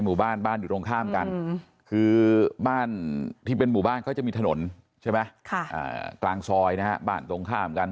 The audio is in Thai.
หมู่บ้านบ้านอยู่ตรงข้ามกันคือบ้านที่เป็นหมู่บ้านเขาจะมีถนนใช่ไหมกลางซอยนะฮะบ้านตรงข้ามกัน